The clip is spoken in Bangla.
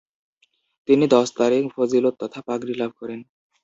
তিনি দস্তারে ফজিলত তথা পাগড়ী লাভ করেন।